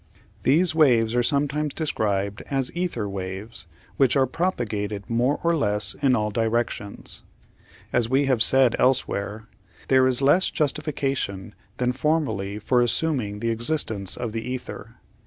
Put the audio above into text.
These waves are sometimes described as "ether waves" which are propagated more or less in all directions. As we have said elsewhere (see "Matter, Ether, and Einstein," p. 288), there is less justification than formerly for assuming the existence of the ether.